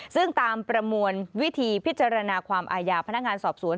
ซึ่งตามประมวลวิธีพิจารณาความอาญาพนักงานสอบสวน